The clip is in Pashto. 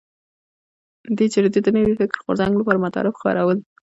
دې جریدې د نوي فکري غورځنګ لپاره مطالب خپرول.